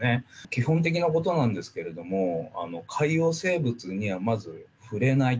基本的なことなんですけれども、海洋生物にはまず、触れない。